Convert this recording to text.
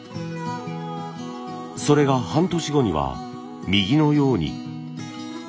それが半年後には右のように。